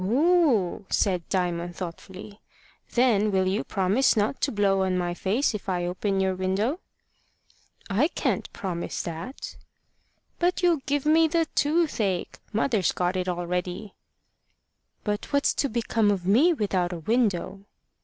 "O o oh!" said Diamond, thoughtfully. "Then will you promise not to blow on my face if I open your window?" "I can't promise that." "But you'll give me the toothache. Mother's got it already." "But what's to become of me without a window?"